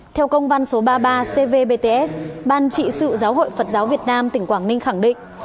theo công văn số ba mươi ba cvbts ban trị sự giáo hội phật giáo việt nam tỉnh quảng ninh khẳng định